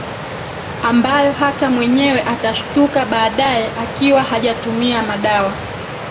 ambayo hata mwenyewe atashtuka baadaye akiwa hajatumia madawa